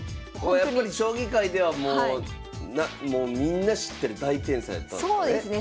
やっぱり将棋界ではもうみんな知ってる大天才やったんですかね。